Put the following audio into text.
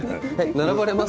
並ばれますか。